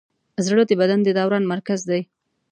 زړه د بدن د دوران مرکز دی.